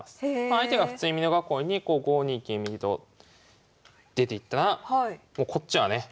相手が普通に美濃囲いに５二金右と出ていったらこっちはね